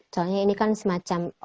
soalnya ini kan semacam